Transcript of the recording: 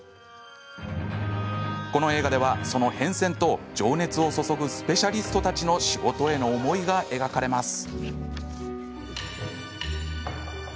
この映画ではその変遷と情熱を注ぐスペシャリストたちの仕事への思いが描かれます。